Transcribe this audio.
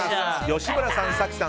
吉村さん、早紀さん